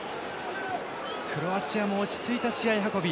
クロアチアも落ち着いた試合運び。